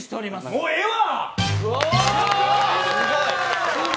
もうええわ。